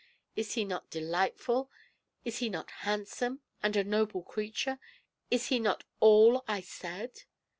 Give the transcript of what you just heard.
Is he not delightful? Is he not handsome, and a noble creature? Is he not all I said?"